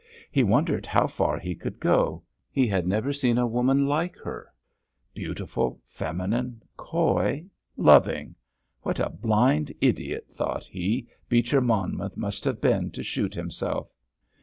He wondered how far he could go—he had never seen a woman like her. Beautiful, feminine, coy, loving.... What a blind idiot, thought he, Beecher Monmouth must have been to shoot himself.